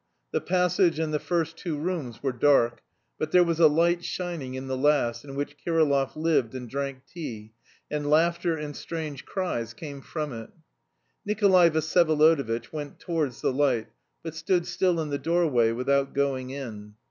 The passage and the first two rooms were dark, but there was a light shining in the last, in which Kirillov lived and drank tea, and laughter and strange cries came from it. Nikolay Vsyevolodovitch went towards the light, but stood still in the doorway without going in.